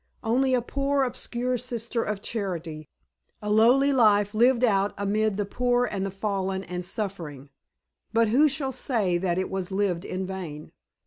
Only a poor, obscure Sister of Charity a lowly life lived out amid the poor and the fallen and suffering. But who shall say that it was lived in vain?